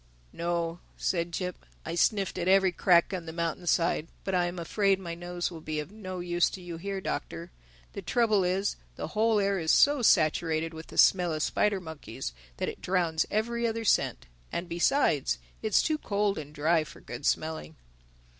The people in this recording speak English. "No," said Jip. "I sniffed at every crack on the mountainside. But I am afraid my nose will be of no use to you here, Doctor. The trouble is, the whole air is so saturated with the smell of spider monkeys that it drowns every other scent—And besides, it's too cold and dry for good smelling."